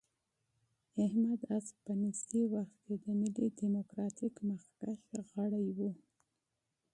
احمد عز په ورته وخت کې د ملي ډیموکراتیک مخکښ غړی و.